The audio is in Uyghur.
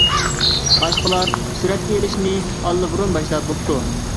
باشقىلار سۈرەتكە ئېلىشنى ئاللىبۇرۇن باشلاپ بوپتۇ.